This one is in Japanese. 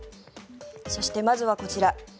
そしてまずはこちら。